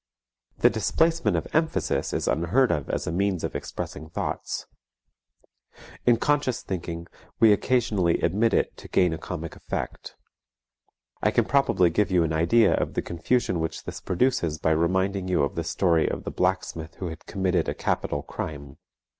The displacement of emphasis is unheard of as a means of expressing thoughts. In conscious thinking we occasionally admit it to gain a comic effect. I can probably give you an idea of the confusion which this produces by reminding you of the story of the blacksmith who had committed a capital crime.